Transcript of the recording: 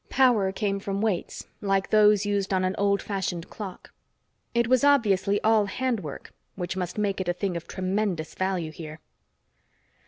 Power came from weights, like those used on an old fashioned clock. It was obviously all hand work, which must make it a thing of tremendous value here.